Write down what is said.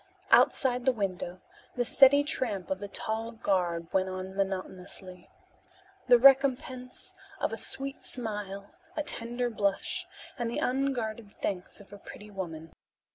Outside the window the steady tramp of the tall guard went on monotonously. "The recompense of a sweet smile, a tender blush and the unguarded thanks of a pretty woman.